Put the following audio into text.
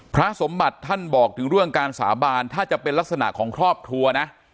พระสมบัติท่านบอกถึงเรื่องการสาบานถ้าจะเป็นลักษณะของครอบครัวนะ